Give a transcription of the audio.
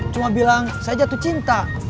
cuma bilang saya jatuh cinta